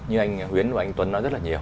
như anh huyến và anh tuấn nói rất là nhiều